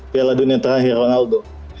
piala dunia terakhir ronaldo